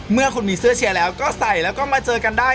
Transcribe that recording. เมื่อคุณมีเสื้อเชียร์แล้วก็ใส่แล้วก็มาเจอกันได้